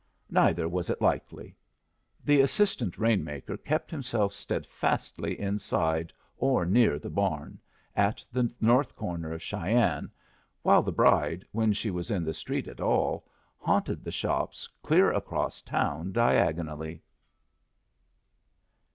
Neither was it likely. The assistant rain maker kept himself steadfastly inside or near the barn, at the north corner of Cheyenne, while the bride, when she was in the street at all, haunted the shops clear across town diagonally.